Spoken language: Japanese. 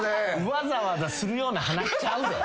わざわざするような話ちゃうで？